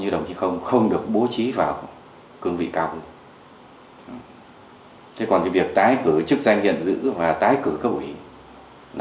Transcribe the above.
đồng chí cán bộ cấp ủy đảng viên tốt hơn